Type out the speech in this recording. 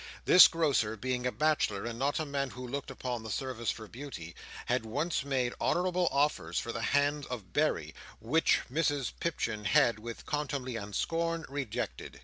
This grocer being a bachelor and not a man who looked upon the surface for beauty, had once made honourable offers for the hand of Berry, which Mrs Pipchin had, with contumely and scorn, rejected.